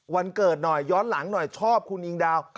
วันเกิดหน่อยย้อนหลังหน่อยชอบคุณอิงดาว